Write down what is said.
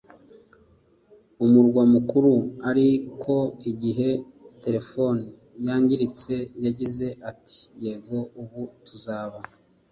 umurwa mukuru. ariko igihe terefone yangiritse yagize ati yego, ubu tuzaba